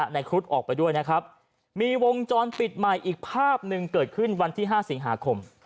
ครุฑออกไปด้วยนะครับมีวงจรปิดใหม่อีกภาพหนึ่งเกิดขึ้นวันที่๕สิงหาคม